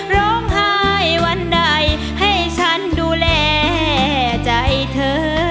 ร้องไห้วันใดให้ฉันดูแลใจเธอ